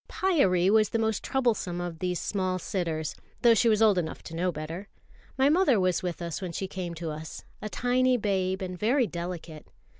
Pyârie was the most troublesome of these small sitters, though she was old enough to know better. My mother was with us when she came to us, a tiny babe and very delicate.